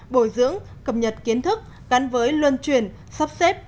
bồi dưỡng cập nhật kiến thức gắn với luân truyền sắp xếp